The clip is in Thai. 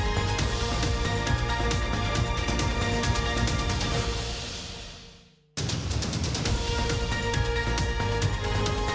โปรดติดตามตอนต่อไป